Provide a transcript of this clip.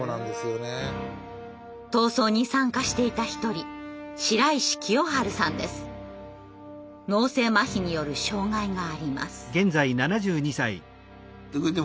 闘争に参加していた一人脳性まひによる障害があります。